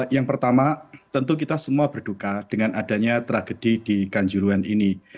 yang pertama tentu kita semua berduka dengan adanya tragedi di kanjuruhan ini